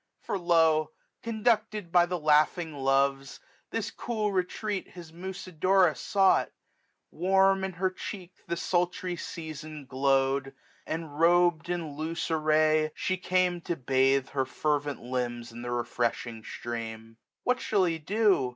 For lo ! conducted by the laughing Loves, This cool retreat his Musidora sought Warm in her cheek the sultry season glow'd j And, rob'd in loose array, she came to bathe 1290. Her fervent limbs in the refreshing stream. What shall he do